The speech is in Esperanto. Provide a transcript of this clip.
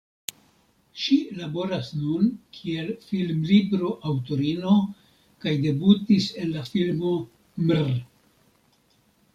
Ŝi laboras nun kiel filmlibro-aŭtorino kaj debutis en la filmo "Mr.